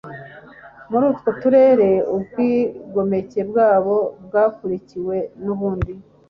muri utwo turere Ubwigomeke bwabo bwakurikiwe n ubundi